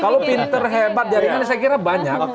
kalau pinter hebat jaringan saya kira banyak